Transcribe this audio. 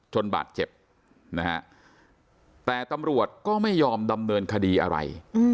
บาดเจ็บนะฮะแต่ตำรวจก็ไม่ยอมดำเนินคดีอะไร